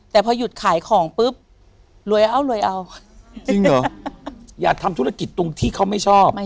แต่พอหยุดขายของปุ๊บรวยเอารวยเอา